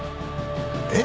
えっ！？